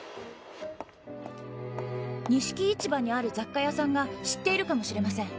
錦市場にある雑貨屋さんが知っているかもしれません。